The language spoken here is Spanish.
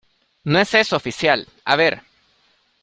no es eso, oficial. a ver .